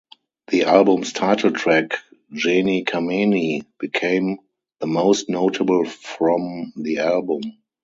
The album's title track "Geni kameni" became the most notable from the album.